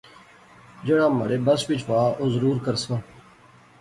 جہیڑا مہاڑے بس وچ وہا اور ضرور کرساں